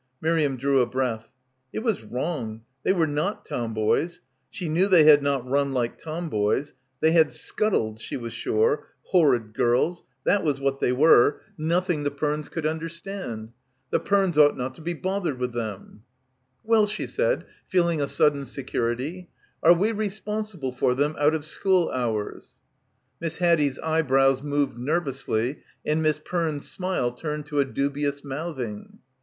Miriam drew a breath. It was wrong, they were not tomboys — she knew they had not run like tomboys — they had scuttled, she was sure — horrid girls, that was what they were, nothing the Pernes could understand. The Pernes ought not to be bothered with them. — 103 — PILGRIMAGE "Well," she said, feeling a sudden security, "are we responsible for them out of school hours?" Miss Haddie's eyebrows moved nervously, and Miss Perne's smile turned to a dubious mouthing.